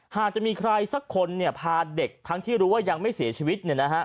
หากจะมีใครสักคนพาเด็กทั้งที่รู้ว่ายังไม่เสียชีวิต